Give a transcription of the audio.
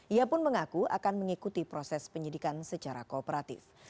ia pun mengaku akan mengikuti proses penyidikan secara kooperatif